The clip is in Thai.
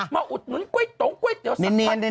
มาอุดหนุนกล้วยตรงกล้วยเดี๋ยวสักคราบ